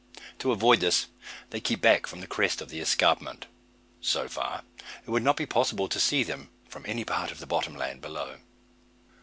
To avoid this they keep back from the crest of the escarpment; so far, it would not be possible to see them from any part of the bottom land below.